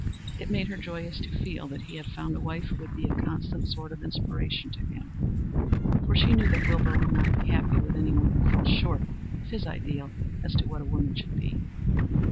It made her joyous to feel that he had found a wife who would be a constant source of inspiration to him, for she knew that Wilbur would not be happy with any one who fell short of his ideal as to what a woman should be.